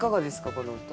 この歌。